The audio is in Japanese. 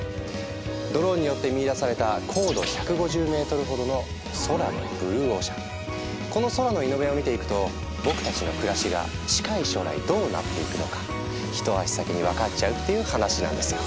ドローンによって見いだされたこの空のイノベを見ていくと僕たちの暮らしが近い将来どうなっていくのか一足先に分かっちゃうっていう話なんですよ。